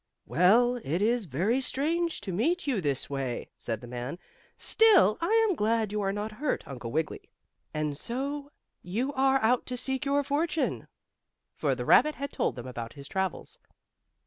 "Well, it is very strange to meet you this way," said the man. "Still, I am glad you are not hurt, Uncle Wiggily. And so you are out seeking your fortune," for the rabbit had told them about his travels.